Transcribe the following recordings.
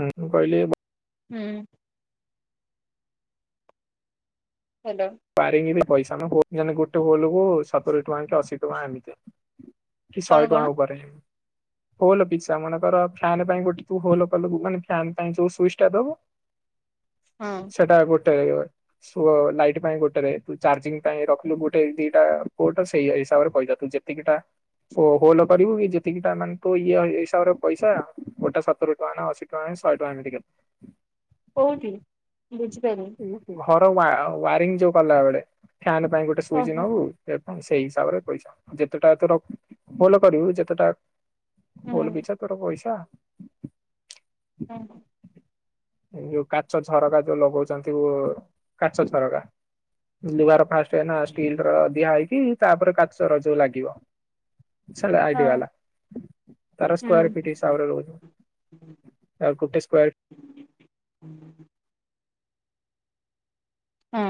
ହୁଁ ମୁଁ କହିଲି ହୁଁ। ହ୍ୟାଲୋ। ପାରଙ୍ଗି ପଇସା [unintelligible] ଗୋଟେ ହୋଲକୁ ସତୁରି ଟଙ୍କା କି ଅଶୀ ଟଙ୍କା ଏମିତି କି କଣ ଶହେ ଟଙ୍କା କଣ ଉପରେ। ହୋଲ ପିଛା ମନେକର ଫ୍ୟାନ ପାଇଁ ଗୋଟେ ତୁ ହୋଲକଲୁ ମାନେ ଫ୍ୟାନ ପାଇଁ ଯୋଉ ସ୍ୱିଚଟା ଦବୁ ହଁ। ସେଟା ଗୋଟେ ରହିବ [unintelligible] ସେଥିପାଇଁ ଗୋଟେରେ ତୁ ଚାର୍ଜିଂ ପାଇଁ ରଖିଲୁ ଗୋଟେ ଦିଟା ପୋଟ ସେଇ ହିସାବରେ ପଇସା କହିଲ ତୁ ଯେତିକିଟା ଓ ହୋଲ କରିବୁ କି ଯେତିକିଟା ମାନେ ତୁ ଇଏ ହିସାବରେ ପଇସା। ଗୋଟା ସତୁରୀ ଟଙ୍କା ନା ଅଶୀ ଟଙ୍କା ନା ଶହେ ଟଙ୍କା ଏମିତି କେତେ। କୋଉଠି ବୁଝିପାଇଲି ଘର ୱା ୱାରିଙ୍ଗ ଯୋଉ କଲା ବେଳେ ଫ୍ୟାନ ପାଇଁ ଗୋଟେ ସୁଇଚ ଓହୋ ହୁଁ ନଉ। ସେ ପୁଣି ସେଇ ହିସାବରେ ପଇସା ଯେତେଟା ତୋର ହୋଲ କରିବୁ ଯେତେଟା ହୋଲ ପିଛା ତୋର ପଇସା। ହଁ। ଯୋଉ କାଚ ଝରକା ଯୋଉ ଲଗଉଛନ୍ତି କାଚ ଝରକା ଦୁଆର ଫାଷ୍ଟ, କାହିଁକିନା ଷ୍ଟିଲର ଦିଆ ହେଇକି ତାପରେ କାଚର ଯୋଉ ଲାଗିବ। ସେ ହଁ ଲାଇଟବାଲା ତାରା ହୁଁ ସ୍କୁଆର ଫିଟ ହିସାବରେ ରହୁଛି। ଆ ଗୋଟେ ସ୍କୋୟାର [inaudible] ହୁଁ।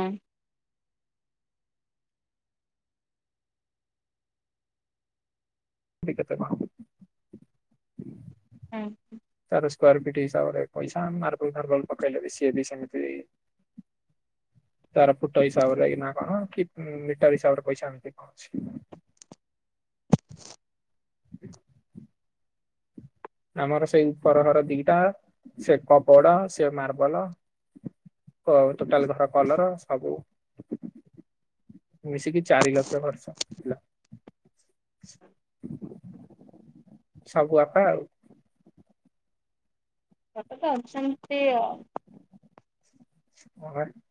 ଠିକ୍ କଥା କଣ? ହୁଁ। ତାର ସ୍କୋୟାର ଫିଟ୍ ହିସାବରେ ପଇସା ମାର୍ବଲ ଫାର୍ବଲ ପକେଇଲେ ବି ସିଏ ବି ସେମିତି। ତାର ଫୁଟ ହିସାବରେ ନା କଣ କି ମିଟର ହିସାବରେ ପଇସା ଏମିତି କଣ ଅଛି। [inaudible] ଆମର ସେଇ ଉପର ଘର ଦିଟା ସେ କବଡ ସେ ମାର୍ବଲ ହଉ ଟୋଟାଲ ଘର କଲର ସବୁ। [inaudible] ମିଶିକି ଚାରି ଲକ୍ଷ୍ୟ ଖର୍ଚ୍ଚ। ହେଲା ସବୁ ବାପା ଆଉ। ବାପାତ ଅଛନ୍ତି ଆଉ। [unintelligible]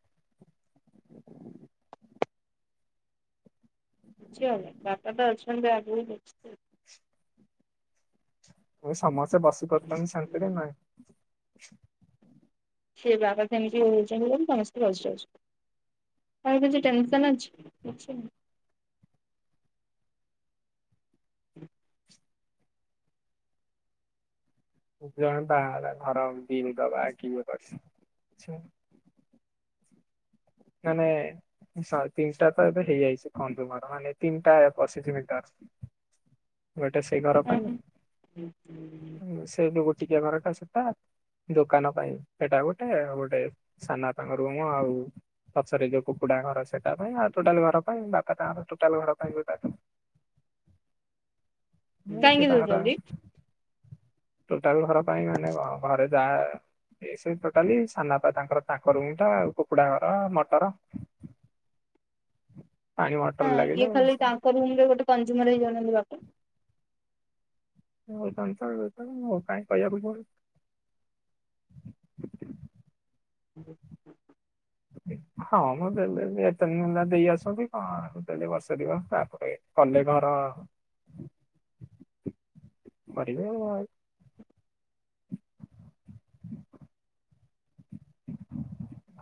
ବୁଝିଗଲି ବାପାତ ଅଛନ୍ତି ଆଗକୁ ମୁଁ କହିଲି ସମସ୍ତେ ବସିପାରୁଛନ୍ତି ଶାନ୍ତିରେ ନା। ସେ ବାପା କେମିତି ହଉଛନ୍ତି ବୋଲି ତମେ ସବୁ ବସିଯାଉଛ। ତମର କିଛି ଟେନସନ୍ ଅଛି, କିଛି ନାହିଁ। [unintelligible] ମାନେ ଶହ ତିନିଟା ତ ଏବେ ହେଇଯାଇଛି କହନ୍ତୁ ମୋର ମାନେ ତିନିଟା ପଚିଶ ମିନିଟର [inaudible] ଗୋଟେ ସେଇ ଘର ନାହିଁ। ପାଇଁ ସେ ବି ଗୋଟି କିଏ ଘରଟା ସେଟା ଦୋକାନ ପାଇଁ ସେଟା ଗୋଟେ ଆଉ ଗୋଟେ ସାନ ବାପାଙ୍କ ରୁମ୍ ଆଉ ପଛରେ ଯୋଉ କୁକୁଡ଼ାଙ୍କ ଘର ସେଟା ପାଇଁ ଆଉ ଟୋଟାଲ ଘର ପାଇଁ ବାପା ତାଙ୍କର ଟୋଟାଲ ଘର ପାଇଁ ତା ସେ କାହିଁକି ତାଙ୍କର ଦଉଛନ୍ତି ଟୋଟାଲ ଘର ପାଇଁ ମାନେ ଘରେ ଯାହା ଏ ସେ ଟୋଟାଲି ସାନ ବାପା ତାଙ୍କର ତାଙ୍କ ରୁମଟା ଆଉ କୁକୁଡା ଘର ମଟର ପାଣି ମଟର ଲାଗିଲେ ଗଟେ କଂଜୁର ହେଇ ଜଣନ୍ତି ବାପା। ଞ୍ଚଳ କାଇହିଁ କହିବାକୁ ଯ [unintelligible] [inaudible] ହଁ ମୁଁ ଦେ ଏତନଲା ଦେଇ ଆସନ୍ତି କଣ ଦେଲେ ବର୍ଷ ଦିବ ତାପରେ କଲେ ଘର [inaudible] ବଢିଆ ଆ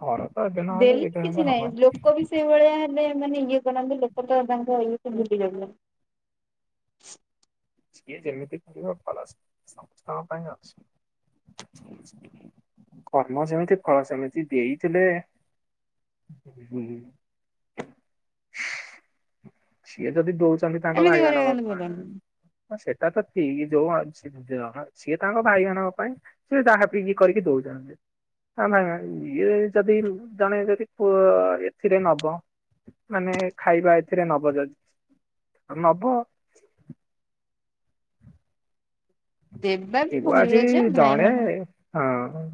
ଘର ତ ଏବେ ନହେଲେ ଦେଲି କେବେ କିଛି ଗୋଟେ ନାହିଁ ହବ ଲୋକ ବି ସେଇ ଭଳିଆ ହେଲେ ମାନେ ଇଏ କରନାନ୍ତି ଲୋକ ତ ତାଙ୍କ ଇଏ ଭୁଲି ଯାଉ ସିଏ ଯେମିତି ଭଲ କ ପାଇଁ ଅଛି କର୍ମ ଯେମିତି ଫଳ ସେମିତି ଦେଇଥିଲେ ହୁ ସିଏ ଯଦି ଦଉଛନ୍ତି ତାଙ୍କ ଏମିତି କରିବା କିନ୍ତୁ ଭାଇମାନାନଙ୍କ ଭଲ ନୁହେଁ। କ ସେଟା ତ ଠିକ୍ ଯୋଉ ସିଏ ତାଙ୍କ ଭାଇମାନଙ୍କ ପାଇଁ ସି ଯାହା ପିି କରିକି ଦଉଚନ୍ତି ନା ନାଇଁ ନାଇଁ ଇଏ ଯଦି ଜଣେ ଯଦି ପଅ ଏଥିରେ ନବ ମାନେ ଖାଇବା ଏଥିରେ ନବ ଯଦି ନବ ଦେବା ବି କିବୁ ଆଜି ଭଲ ଯେ ଭାଇ ଜଣେ ମାନଙ୍କୁ ହଁ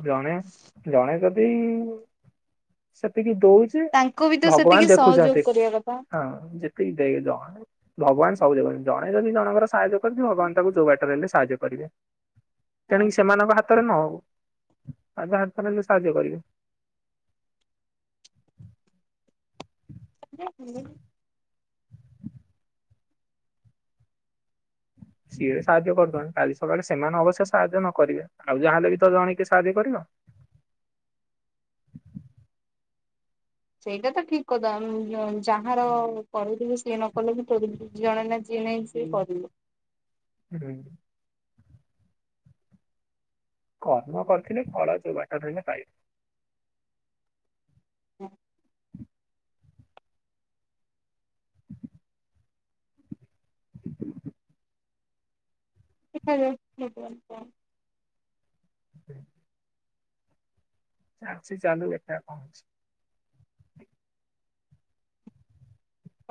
ଜଣେ ଜଣେ ଯଦି ସେତିକି ଦଉଚି ଯେ ତାଙ୍କୁ ବି ତ ଭଗବାନ ସେତିକି ସହଯୋଗ ଦେଖୁଛନ୍ତି କରିବା କଥା। ହଁ ଦେ ଜଣେ ଭଗବାନ ସବୁ ଦେଖୁଛନ୍ତି ଜଣେ ଯଦି ଜଣଙ୍କର ସାହାଯ୍ୟ କରିବ ଭଗବାନ ତାକୁ ଯୋଗ ବା ଲେ ସାହାଯ୍ୟ କରିବେ ହଁ। ତେଣିକି ସେମାନଙ୍କ ହାତରେ ନହଉ ଆଉ କାହା ହାତରେଲେ ସାହାଯ୍ୟ କରିବେ। [unintelligible] ସିଏ ବି ସାହାଯ୍ୟ କରୁଛନ୍ତି କାଲି ସକାଳେ ସେମାନେ ଅବଶ୍ୟ ସାହାଯ୍ୟ ନ କରିବେ ଆଉ ଯାହା ହେଲେ ବି ତ ଜଣେ କିଏ ସାହାଯ୍ୟ କରିବ ସେଇଟା ତ ଠିକ କଥା ଯାହାର କରିବ ସିଏ ନ କଲେ ବି ଜଣେ ନା ଯିଏ ନାଇଁ ସିଏ କରିବ। ହୁଁ। କର୍ମ କରିଥିଲି ଫଳ ଯୋଉ ବାଟ ରେ ହେଲେ ପାଇବେ [unintelligible] [inaudible] [unintelligible] ଚାଲୁଛି ଚାଲୁ ଦେଖା ଯାଉ କଣ ହୋଉଛି?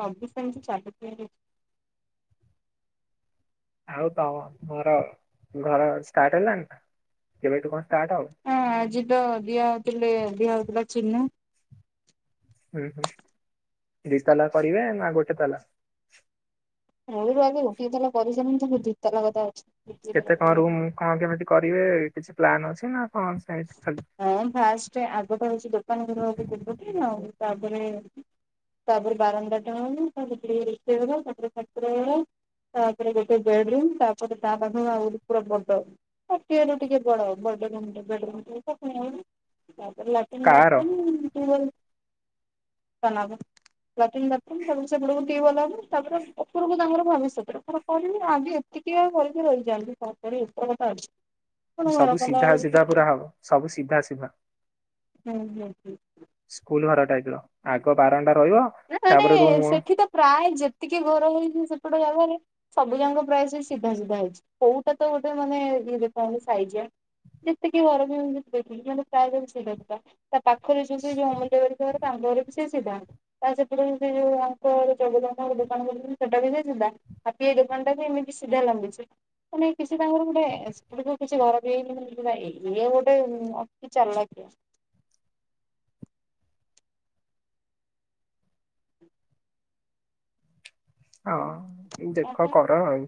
ସବୁ ସେମିତି ଚାଲିଥାଏ। ଆଉ ତମ ଘର ଷ୍ଟାର୍ଟ ହେଲାଣି ନା କେବେଠୁ କଣ ଷ୍ଟାର୍ଟ ହବ? ହଁ ଆଜି ତ ଦିଆ ହଉଥିଲେ ଦିଆ ହଉଥିଲା ଚିହ୍ନ। ହୁଁ ହୁଁ, ଦି ତାଲା କରିବେ ନା ଗୋଟେ ତାଲା? ମୂଳରୁ ଆଗେ ଗୋଟିଏ ତାଲା କରିସାରନ୍ତୁ ପୁଣି ଦି ତାଲା କଥା ଅଛି। କେତେ କଣ ରୁମ୍ କଣ କେମିତି କରିବେ କିଛି ପ୍ଲାନ ଅଛି ନା କଣ ସେମିତି ଖାଲି ହଁ ଫାଷ୍ଟ ଆଗଟା ହେଉଛି ଦୋକାନ ଘର [unintelligible] ଆଉ ତାପରେ ତାପରେ ବାରଣ୍ଡା ଟା ହବ, ତା ପାଖରେ ରୋଷେଇ ଘର, ତାପରେ ଠାକୁର ଘର। ତାପରେ ଗୋଟେ ବେଡ ରୁମ୍ ତାପରେ ତା ପାଖ ଆଉ ଗୋଟେ ପୁରା ବଡ ଛୋଟିଆ ରୁ ଟିକେ ବଡ, ବଡ ରୁମ୍ ଟେ। କାର [unintelligible] [unintelligible] ଲାଟିନ୍ ବାଥରୁମ୍ ତାପରେ ସେପଟ କୁ ଟିବଲ ହବ, ତାପରେ ଉପରକୁ ତାଙ୍କର ଭବିଷ୍ୟତରେ କଣ କରିବେ ଆଗେ ଏତିକି ଏତିକି କରିକି ରହିଯାଆନ୍ତୁ, ତାପରେ ଏତେ କଥା ଅଛି ପୁଣି ସବୁ ଘର ସିଧା କଲାବେଳକୁ ସିଧା ସବୁ ସିଧା ସିଧା [unintelligible] ହୁଁ ହୁଁ ହୁଁ। ସ୍କୁଲ ଘର ଟାଇପ ର, ଆଗ ବାରଣ୍ଡା ରହିବ ମାନେ ତାପରେ ରୁମ ସେଠି ତ ପ୍ରାୟ ଯେତିକି ଘର ହେଇଛି ସେପଟ ଜାଗାରେ ସବୁ ଯାଙ୍କ ପ୍ରାୟ ସିଏ ସିଧା ସିଧା ହେଇଛି, କୋଉଟା ତ ଗୋଟେ ମାନେ ଇଏ ଦେଖା ହଉନି ସାଇଜିଆ। ଯେତିକି ଘର ମୁଁ ଦେଖିଲି କିନ୍ତୁ ପ୍ରାୟ ସବୁ ସିଧା ସିଧା। ତା ପାଖରେ ଯୋଉ ସିଏ ଯୋଉ ଅମୁଲ୍ୟ ବାରିକ ଘର ତାଙ୍କ ଘର ବି ସେଇ ସିଧା। ତାଙ୍କ ସେପଟେ ସେ ଯଉ [unintelligible] ସେଟା ବି ସେଇ ସିଧା। ହାପି ଭାଇ ଦୋକାନ ଟା ବି ଏମିତି ସିଧା ଲମ୍ବିଛି। ମାନେ କିଛି ତାଙ୍କର ଗୋଟେ [unintelligible] କିଛି ଘର ବି ହେଇନି ଇଏ ଗୋଟେ କି ଚାଲାକିଆ। ହଁ, ଦେଖ ଓହୋ କର ଆଉ।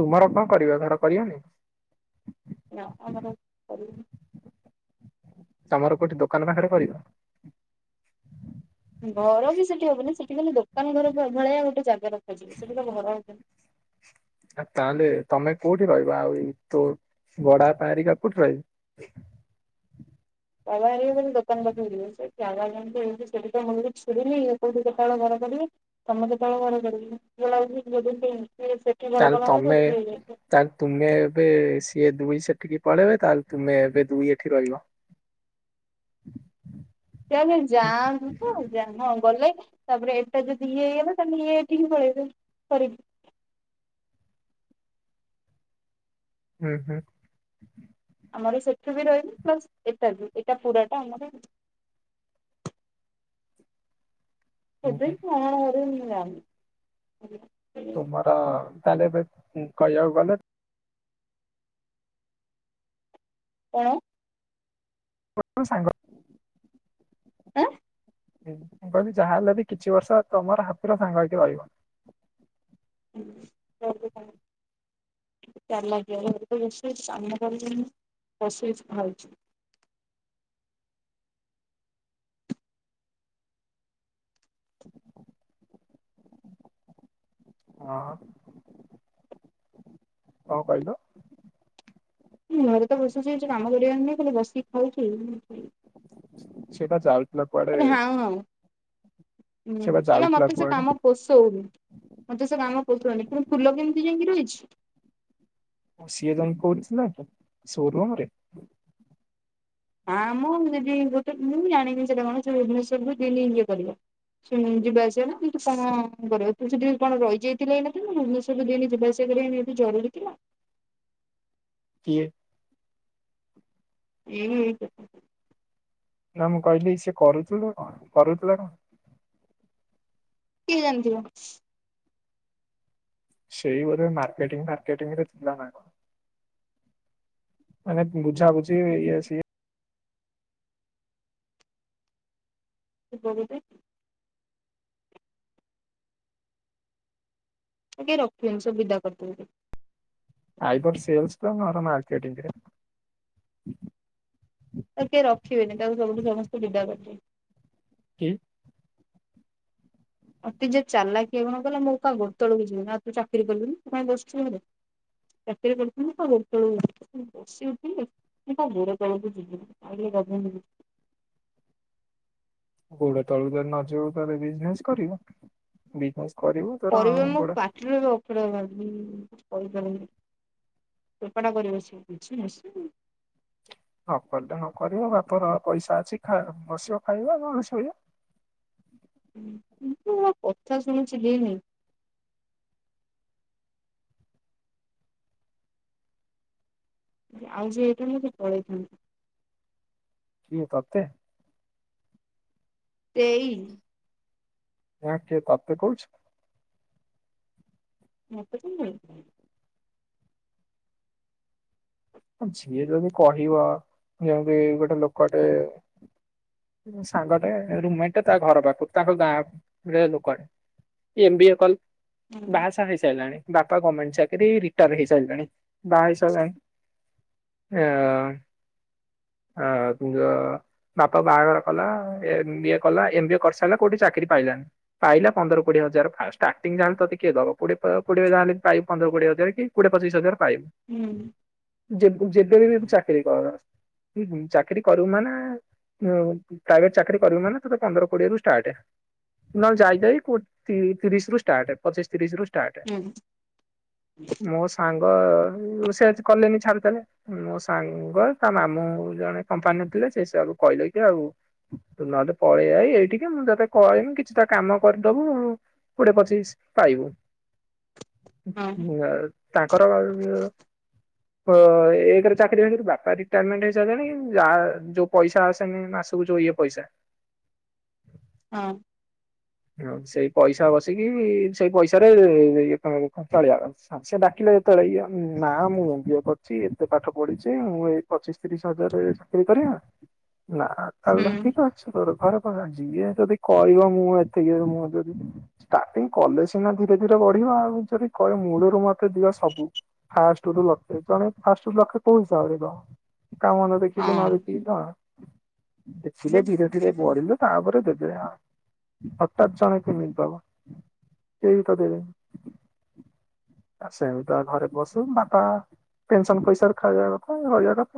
ତୁମର କଣ କରିବ ଘର କରିବନି? ନା ଆମର [unintelligible] ତମର କୋଉଠି ଦୋକାନ ପାଖରେ କରିବ? ଘର ବି ସେଠି ହବନି ସେଠି ଖାଲି ଦୋକାନ ଘର ଭଳିଆ ଗୋଟେ ଜାଗା ରଖାଯିବ, ସେଠି ତ ଘର ହବନି। ତାହେଲେ ତମେ କୋଉଠି ରହିବ? ଆଉ ଏଇ ତୋ ବଡ଼ବାପା ହେରିକା କୋଉଠି ରହିବେ? ବାବା ହେରିକା ସବୁ ଦୋକାନ ପାଖକୁ ଯିବେ [unintelligible] କଉଠି କେତେବେଳେ ଘର କରିବେ। ତମେ କେତେବେଳେ ଘର କରିବ? [unintelligible] ସେଠି ଘର ତାହେଲେ କଲା ବେଳକୁ ତମେ ଏଠି ହେଇଯାଇଥିବ। ତାହେଲେ ତୁମେ ଏବେ ସିଏ ଦୁଇ ସେଠିକି ପଳେଇବେ, ତାହେଲେ ତୁମେ ଏବେ ଦୁଇ ଏଠି ରହିବ। ସେ ଆଗେ ଯାଆନ୍ତୁ ତ। ଯା ହଁ ଗଲେ। ତାପରେ ଏଇଟା ଯଦି ଇଏ ହେଇଗଲା ତାହେଲେ ଇଏ ଏଠିକି ପଳେଇବେ କରି ହୁଁ ହୁଁ। ଆମର ସେଠୁ ବି ରହିବେ, ପ୍ଲସ୍ ଏଟା ବି ଏଟା ପୁରାଟା ଆମର ଆଉ। ହୁଁ ହୁଁ ସେଥିପାଇଁ ନୂଆ ଘରକୁ ମୁଁ ଯାଉନି। ତୁମର ତାହେଲେ ଏବେ କହିବାକୁ ଗଲେ କଣ? [unintelligible] ସାଙ୍ଗ ଆଁ? ମୁଁ କହିଲି ଯାହା ହେଲେ ବି କିଛି ବର୍ଷ ତମର ହାପିର ସାଙ୍ଗ ହେଇକି ରହିବ। ହଁ [unintelligible] ର ଲାଗି ବ ସାମ୍ନା ବସି ଖଛି [unintelligible] ହଁ। କଣ କହିଲ? ଘରେ ତ ବସୁଛି କାମ କରିବାର ନାଇଁ ଖାଲି ବସିକି ଖାଉଛି। ସେଇଟା ଜାଉଥିଲା କୁଆଡେ ହାଉଁ ହାଉଁ। ହୁଁ ସିଏ ବା କହି ଯାଉଥିଲା ମତେ ସେ କୁଆଡେ କାମ ପୋଷଉନି ମୋତେ ସେ କାମ ପୋଷଉନି କିନ୍ତୁ ଫୁଲ କେମିତି ଯାଇକି ରହିଛି। ଓ ସିଏ ଜ କହୁଛି ନା ସୋରୁମ ରେ। ହଁ ମୁଁଗୋଟେ ମୁଁ ବି ଜାଣିନି ସେଟା କଣ ଭୁବନେଶ୍ଵ ରରୁୁ ଦିଲ୍ଲୀଇ କରିବା ଯିବା ଆସିବା ନା କିନ୍ତୁ କଣ କରିବାବ ତୁ ସେଠି କଣ ରହିଯାଇଥିଲ ଏଇନା ସବୁ ଦିନ ଯିବାଆସିବା କରିବା ଏତ ଜରୁର ଥିଲା? କିଏ? ଏଇ ନା ମୁଁ କହିଲି ସେ କରୁଥିଲୁ କଣ କରୁଥିଲା କଣ? କିଏ ଜାଣିଥିବ? ସେଇ ମାର୍କେଟିଂ ଫାର୍କେଟିଙ୍ଗ ରେ ଥିଲା ନା କଣ। ମାନେ ବୁଝାବୁଝି ଇଏ ସଏ କି ବଛ ଟିକେ ରଖିବନି ସୁବି ବିଦା କରିଦବ। ଆଇଦର୍ ସେଲସ ତ ମର ମାର୍କେଟିଂରେ। ତ କିଏ ରଖିବେନି ତାକୁ ସବୁଠୁ ସମସ୍ତେ ବିଦା କରିିଦେବେ। କି ଅତି ଯେ ଚାଲାକିଆ ଗୁଣ କଲା ମୋ କା ଗୋଡ ତଳକୁ ଯିବିନି ଆଉ ତୁ ଚାକିରି କଲୁିୁ କ ପାଇଁ ବସିଚୁ ଘରେ। ଚାକିରି କରିୁଥିଲ ତୋ ତେଳୁ ବସି ଉଥିଲେ। ମୁତା ଗୋଡ ତଳୁକୁ ଜିବିନି ଆଉ ଟିକେ ଗୋଡ ତଳକୁ ଜ ନ ଯିବ ତାହଲେ ବିଜନେସ କରିବ। ବିଜନେସ କରିବୁ ତୋର କରିବ ମୁଁ ଗୋଡ ପାଟିରେ ଅପ କରିପାରିବି। ଚୋପାଟା କରିବ ସେ। ନ କଲେ ହ କରିବ ବାପର ପଇସା ଅଛି ଖା ବସିବ ଖାଇବା କଣ ସୋଇଅ। କିନ୍ତୁ ମୁ କଥା ଶୁଣିୁଛି ଦିନି। ଆଉ ଯଉ ଏଇଠା ମୁ ପଳେଇଥାନ୍ତା। କିଏ ତତେ? ସେଇ ଆଁ କି ତାତେ କୁଛ ମତ କାଇଁ କହିବ। ଯିଏ ଯଦି କହିବା ଯେମତି ଗୋଟେ ଲୋକଟେ ସାଙ୍ଗଟେ ରୁମମେଟ ତା ଘର ପାଖକୁ ତାଙ୍କ ଗାଁକୁ ରେ ଲୋକଟେ। ଏମ୍ ବି ଏ କଲ ହୁଁ ବାହାସାହା ହେଇସାରିଲାଣି। ବାପା ଗମେଣ୍ଟ ଚାକିରି ରିଟାୟାର ହେଇସାରିଲାଣି ବାହା ହେଇସାରିଲାଣି। ୟ ହ ଯିଏ ବାପା ବାହାଘର କଲା ଏମ ବିଏ କଲା ଏମ ବିଏ କରିସାରିଲା କୋଉଠି ଚାକିରି ପାଇଲାନି। ପାଇଲା ପନ୍ଦର କୋଡିଏ ହଜାର ଫାଷ୍ଟ ଷ୍ଟାର୍ଟିଂ ଯାହାଲେ ତତେ କିଏ ଦବ କୋଡି କୋଡିଏ ଯାହାଲେ ପାଇ ପନ୍ଦର କୋଡିଏଜାର କି କୋଡେ ପଚିଶ ହଜାର ପାଇ ହୁଁ। ଯେ ଯେବେ ବି ଚାକିରୀ କର ଚାକିରୀ କରୁ ମାନେ ଆ ପ୍ରାଇଭେଟ ଚାକିରି କରିବୁ ମାନ ତ ପନ୍ଦର କୋଡିଏରୁ ଷ୍ଟାର୍ଟ। ନହେ ଯାଇଯାଇ କୋ ତିରିଶ ରୁ ଷ୍ଟାର୍ଟ ପଚିଶି ତିରିଶ ରୁ ଟାଟା ହୁଁ ମୋ ସାଙ୍ଗ ରଷ କଲେନି ଛାଡ଼ିଦଲେ। ମୋ ସାଙ୍ଗ ତା ମାମୁଁ ଜଣେ କମ୍ପାନୀରେ ଥିଲେ ସେ ସବୁ କହିଦେଇଛି ଆଉ। ତୁ ନହେଲେ ପଳେଇଆ ଏଇଠିକି ମୁଁ ତତେ କହିବି କିଛିଟା କାମ କରିଦବୁ ଆଉ। କୋଡିଏ ପଚିଶ ପାଇବୁ। [unintelligible] ହଁ ଆଁ ତାଙ୍କର ଏକ ରେ ଚାକିରି ହେଇନି। ବାପା ରିଟାରମେଣ୍ଟ ହେଇସାରିଲେଣି। ଯାହା ଯୋଉ ପଇସା ଆସେନି ମାସ କୁ ସବୁ ଯୋଉ ଇଏ ପଇସା। ହଁ। ହଁ, ସେଇ ପଇସା ବସିକି, ସେଇ ପଇସାରେ ଇଏ କଣ ଚଳିବା କଥା। ହଁ, ସେ ଡାକିଲେ ଯେତେବେଳେ ଇଏ। ନା ମୁଁ ଏମବିଏ କରିଛି ଏତେ ପାଠ ପଢିଛି ମୁଁ ଏ ପଚିଶ, ତିରିଶ ହଜାରରେ ଚାକିରି କରିବା। ନା ଆଉ ହୁଁ ତାହାଲେ ଠିକ ଅଛି ତୋର ଘରା କଜିି ଯଦି କହବା ମୁଁର ତି ମୁହ ଯଦି ଷ୍ଟାଟିଙ୍ଗ କଲେ ସିନା ଧୀରେ ଧୀରେ ବଢିବ। ଆଉ ଯଦି କହିବ ମୂଳରୁ ମୋତେ ଦିଅ ସବୁ। ଫାଷ୍ଟରୁ ଲକ୍ଷେ, ଜଣେ ଫାଷ୍ଟ ରୁ ଲକ୍ଷେ କୋଉ ହିସାବରେ ଦବ। କାମ ନ ଦେଖିକି ନ ହଁ। ଦେଖିକି କଣ। ଦେଖିଲେ ଧୀରେ ଧୀରେ ବଢ଼ିଲେ ତାପରେ ଦେବେ। ହଠାତ୍ ଜଣେ କେମିତି ଦବ? କେହି ତ ଦେବେନି। ଆଉ ସେମିତି ତା ଘରେ ବସୁ। ବାପା ପେନସନ ପଇସାରେ ଖାଇବା କଥା, ରହିବା କଥା।